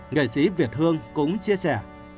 nghệ sĩ việt hương cũng chia sẻ